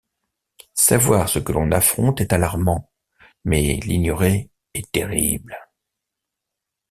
Savoir ce que l’on affronte est alarmant, mais l’ignorer est terrible.